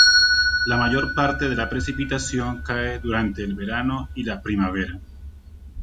La mayor parte de la precipitación cae durante el verano y la primavera.